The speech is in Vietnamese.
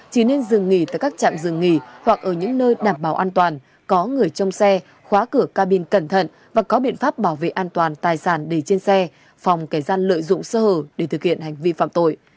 chỉ nên dừng nghỉ tại các trạm dừng nghỉ hoặc ở những nơi đảm bảo an toàn có người trông xe khóa cửa cabin cẩn thận và có biện pháp bảo vệ an toàn tài sản để trên xe phòng kẻ gian lợi dụng sơ hở để thực hiện hành vi phạm tội